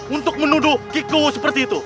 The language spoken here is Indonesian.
untuk menuduh kiko seperti itu